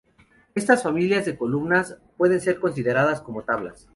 Estas familias de columnas, pueden ser consideradas como tablas.